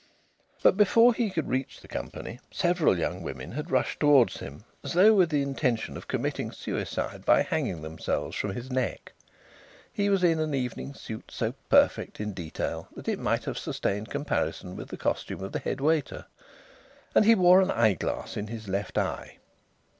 But before he could reach the company several young women had rushed towards him, as though with the intention of committing suicide by hanging themselves from his neck. He was in an evening suit so perfect in detail that it might have sustained comparison with the costume of the head waiter. And he wore an eyeglass in his left eye.